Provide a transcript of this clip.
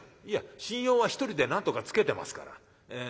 「いや信用は１人でなんとかつけてますから。